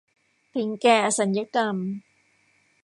ถึงแก่อสัญกรรม